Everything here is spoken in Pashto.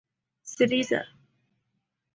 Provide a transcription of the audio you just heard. سریزه